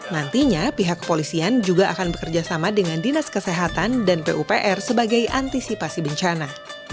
nantinya pihak kepolisian juga akan bekerjasama dengan dinas kesehatan dan pupr sebagai antisipasi bencana